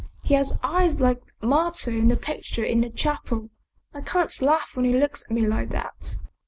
He has eyes like the martyr in the picture in the chapel. I can't laugh when he looks at me like that."